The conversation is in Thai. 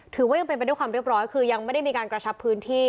ถือว่าเป็นไปด้วยความเรียบร้อยคือยังไม่ได้มีการกระชับพื้นที่